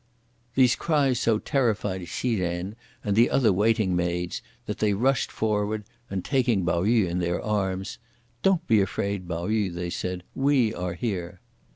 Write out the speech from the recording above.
These cries so terrified Hsi Jen and the other waiting maids, that they rushed forward, and taking Pao yü in their arms, "Don't be afraid, Pao yü," they said, "we are here."